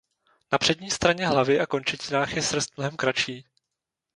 Na přední straně hlavy a končetinách je srst mnohem kratší.